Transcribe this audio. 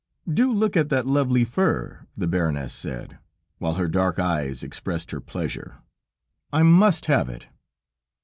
"Do look at that lovely fur," the baroness said, while her dark eyes expressed her pleasure; "I must have it."